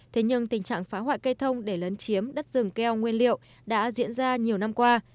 thế nhưng tình trạng phá hoại cây thông để lấn chiếm đất rừng keo nguyên liệu đã diễn ra nhiều năm qua